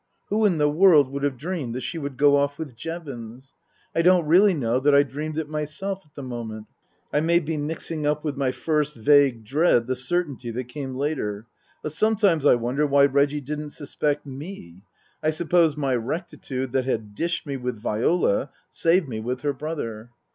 Who in the world would have dreamed that she would go off with Jevons ? I don't really know that I dreamed it myself at the moment. I may be mixing up with my first vague dread the certainty that came later. But sometimes I wonder why Reggie didn't suspect me. I suppose my rectitude that had dished me with Viola saved me with her brother.